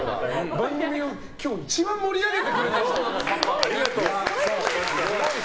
番組を今日一番盛り上げてくれました。